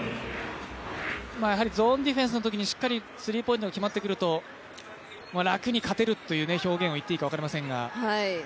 ゾーンディフェンスのときにしっかりスリーポイントが決まってくると、楽に勝てるという表現を言っていいか分かりませんが。